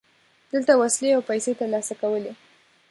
دلته وسلې او پیسې ترلاسه کولې.